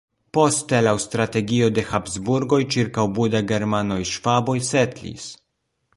Poste laŭ strategio de Habsburgoj ĉirkaŭ Buda germanoj-ŝvaboj setlis.